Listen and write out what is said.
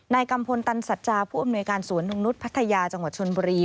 กัมพลตันสัจจาผู้อำนวยการสวนนุ่งนุษย์พัทยาจังหวัดชนบุรี